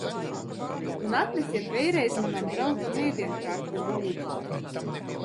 Un atnesiet vēIreiz manam draugam ēdienkarti, lūdzu!